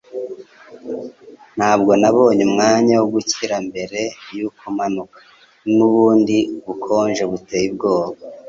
Ntabwo nabonye umwanya wo gukira mbere yuko manuka nubundi bukonje buteye ubwoba.